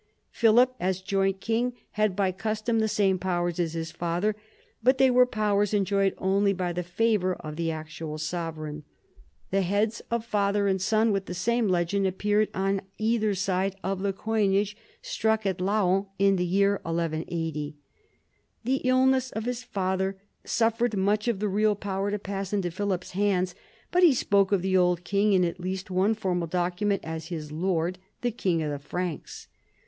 Philip as joint king had by custom the same powers as his father, but they were powers enjoyed only by the favour of the actual sovereign. The heads of father and 26 PHILIP AUGUSTUS chap. son, with the same legend, appeared on either side of the coinage struck at Laon in the year 1180. The illness of his father suffered much of the real power to pass into Philip's hands, but he spoke of the old king in at least one formal document as his "lord, the king of the Franks."